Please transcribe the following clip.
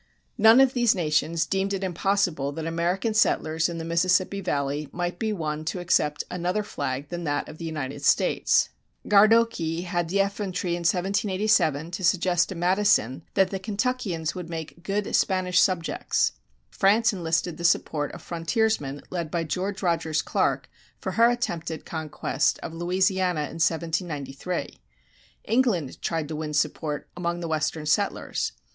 None of these nations deemed it impossible that American settlers in the Mississippi Valley might be won to accept another flag than that of the United States. Gardoqui had the effrontery in 1787 to suggest to Madison that the Kentuckians would make good Spanish subjects. France enlisted the support of frontiersmen led by George Rogers Clark for her attempted conquest of Louisiana in 1793. England tried to win support among the western settlers.